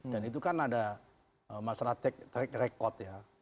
dan itu kan ada masalah track record ya